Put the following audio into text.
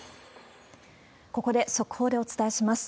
ここで速報でお伝えします。